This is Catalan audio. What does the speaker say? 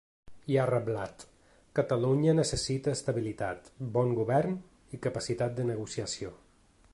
I ha reblat: Catalunya necessita estabilitat, bon govern i capacitat de negociació.